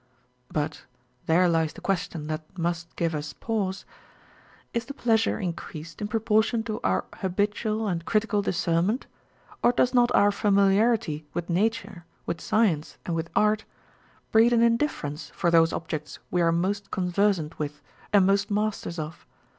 But â€" there lies the question that must " give us pause " â€" is the pleasure increased in pro portion to our habitual and critical discernment, or does not our familiarity with nature, with science, and with art, breed an indifference for those objects we are most conver sant with and most masters of?